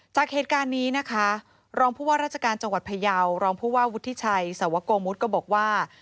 จากเหตุการณ์นี้รองภูวะราชการจังหวัดพยาวรองภูวะวุทธิชัยสวโกมุทธก็บอกว่า